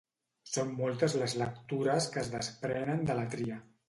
Són moltes les lectures que es desprenen de la tria.